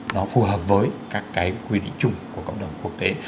nó phù hợp với các cái quy định chung của cộng đồng quốc tế